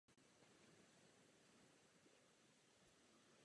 Je to předpis, který končí katastrofou.